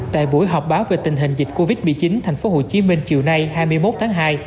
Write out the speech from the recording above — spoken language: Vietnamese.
tại buổi họp báo về tình hình dịch covid một mươi chín tp hcm chiều nay hai mươi một tháng hai